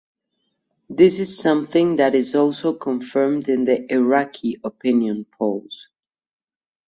This is something that is also confirmed in Iraqi opinion polls.